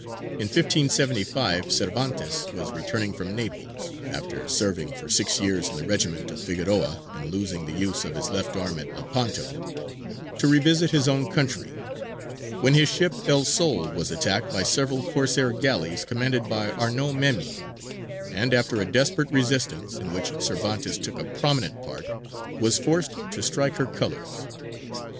In 1575, Cervantes was returning from Naples after serving for six years in the regiment of Figueroa, and losing the use of his left arm at Lepanto to revisit his own country; when his ship El Sol was attacked by several Corsair galleys commanded by Arnaut Memi; and, after a desperate resistance, in which Cervantes took a prominent part, was forced to strike her colours.